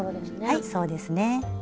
はいそうですね。